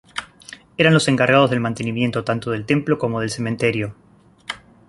Eran los encargados del mantenimiento tanto del templo como del cementerio.